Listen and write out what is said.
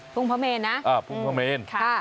ทุ่งพระเมรุนะอ่ะทุ่งพระเมรุค่ะ